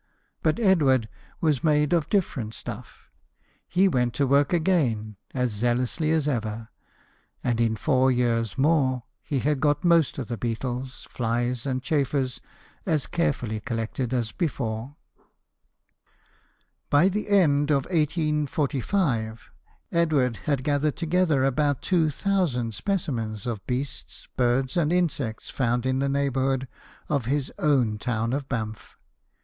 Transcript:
But Edward was made of different stuff. He went to work again as zealously as ever, and in four years more, he had got most of the beetles, flies, and chafers as carefully collected as before. THOMAS EDWARD, SHOEMAKER. 177 By the year 1845, Edward had gathered together about two thousand specimens of beasts, birds, and insects found in the neigh bourhood of his own town of Banff.